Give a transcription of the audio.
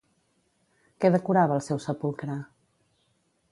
Què decorava el seu sepulcre?